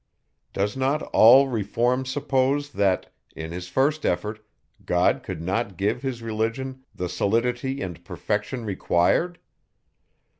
Does not all reform suppose, that, in his first effort, God could not give his religion the solidity and perfection required?